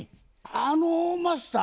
あのマスター？